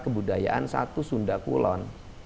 kebudayaan satu sunda kulon